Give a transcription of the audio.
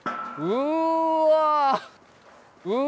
うわ！